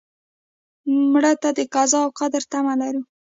مړه ته د قضا او قدر تمه لرو